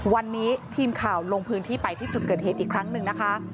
วันนี้ทีมข่าวลงพื้นที่ไปที่จุดเกิดเหตุอีกครั้งหนึ่งนะคะ